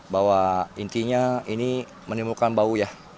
bahwa intinya ini menimbulkan bau ya